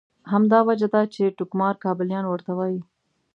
همدا وجه ده چې ټوکمار کابلیان ورته وایي.